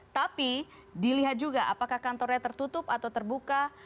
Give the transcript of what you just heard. tapi dilihat juga apakah kantornya tertutup atau terbuka